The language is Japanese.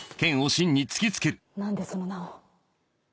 何でその名を？